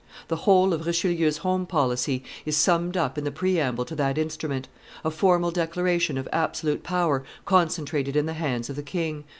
The whole of Richelieu's home policy is summed up in the preamble to that instrument, a formal declaration of absolute power concentrated in the hands of the king.